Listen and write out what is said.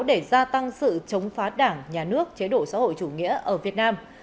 để gia tăng sự chống phá đảng nhà nước chế độ xã hội chủ nghĩa ở việt nam